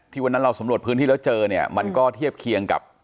วันนั้นเราสำรวจพื้นที่แล้วเจอเนี่ยมันก็เทียบเคียงกับ